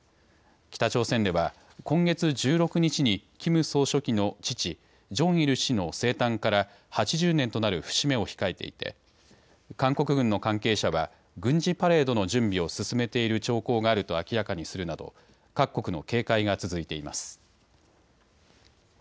北朝鮮では今月１６日にキム総書記の父、ジョンイル氏の生誕から８０年となる節目を控えていて韓国軍の関係者は軍事パレードの準備を進めている兆候があると明らかにするなど各国の警戒が続いています。